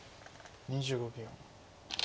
２５秒。